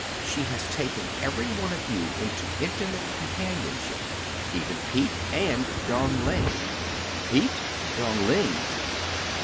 She has taken every one of you into intimate companionship even Pete and Dong Ling." "Pete and Dong Ling!"